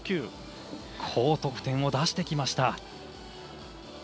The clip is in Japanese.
高得点を出してきました。